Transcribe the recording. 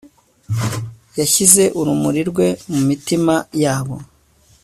yashyize urumuri rwe mu mitima yabo